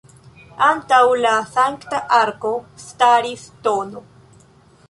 Antaŭ la Sankta Arko staris tn.